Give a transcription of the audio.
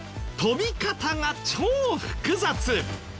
飛び方が超複雑！